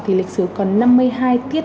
thì lịch sử còn năm mươi hai tiết